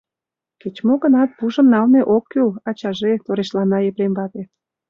— Кеч-мо гынат, пужым налме ок кӱл, ачаже, — торешлана Епрем вате.